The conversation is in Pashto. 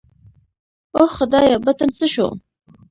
اوه خدايه بټن څه سو.